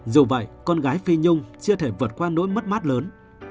dù vậy con gái phi nhung chưa thể vượt qua nỗi mất mát lớn